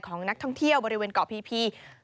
ของนักท่องเที่ยวบริเวณเกาะพี